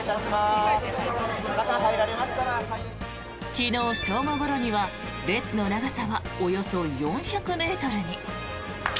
昨日正午ごろには列の長さはおよそ４００ｍに。